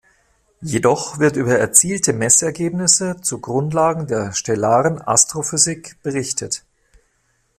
Jedoch wird über erzielte Messergebnisse zu Grundlagen der stellaren Astrophysik berichtet.